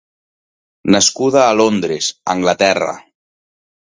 Nascuda a Londres, Anglaterra.